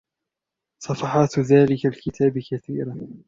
صفحات ذلك الكتاب كثيرة